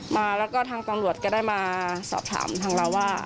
มาแล้วก็ทางตำรวจก็ได้มาสอบถามทางเราว่า